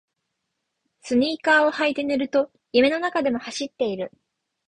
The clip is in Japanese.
スニーカーを履いて寝ると夢の中でも走っている